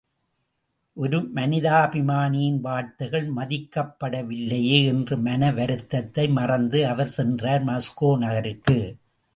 ஒரு மனிதாபிமானியின் வார்த்தைகள் மதிக்கப்படவில்லையே என்ற மன வருத்தத்தை மறந்து அவர் சென்றார் மாஸ்கோ நகருக்கு!